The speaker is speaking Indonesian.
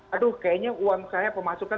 aduh kayaknya uang saya pemasukan